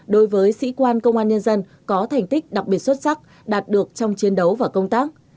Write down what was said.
đối với sĩ quan công an nhân dân có thành tích đặc biệt xuất sắc đạt được trong chiến đấu và công tác